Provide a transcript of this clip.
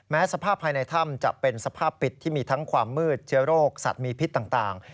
สภาพภายในถ้ำจะเป็นสภาพปิดที่มีทั้งความมืดเชื้อโรคสัตว์มีพิษต่าง